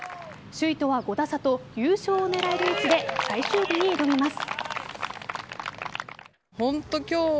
首位とは５打差と優勝を狙える位置で最終日に挑みます。